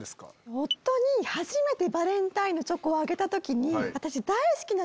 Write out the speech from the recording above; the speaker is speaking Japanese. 夫に初めてバレンタインのチョコをあげた時に。